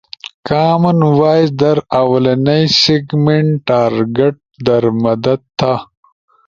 کامن وائس در آولنئی سیگمنٹ ٹارگٹ در مدد تھا